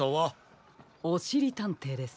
おしりたんていです。